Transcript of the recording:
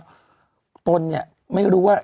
มีสารตั้งต้นเนี่ยคือยาเคเนี่ยใช่ไหมคะ